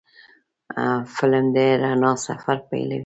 قلم د رڼا سفر پیلوي